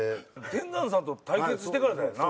天山さんと対決してからだよな。